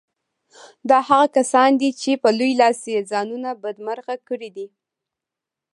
دا هغه کسان دي چې په لوی لاس يې ځانونه بدمرغه کړي دي.